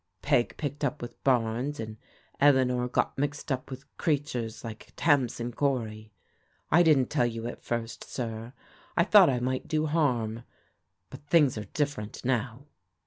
Peg picked up with Barnes, and Eleanor got mixed up with creatures like Tamsin Cory. I didn't tell you at first, sir; I thought I might do harm, but things are diflferent now."